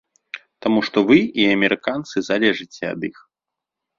Таму што вы і амерыканцы залежыце ад іх.